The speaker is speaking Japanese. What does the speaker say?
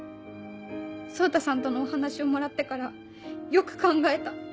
蒼太さんとのお話をもらってからよく考えた。